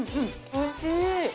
おいしい。